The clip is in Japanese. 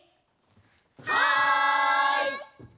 はい！